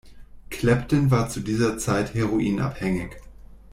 Clapton war zu dieser Zeit heroinabhängig.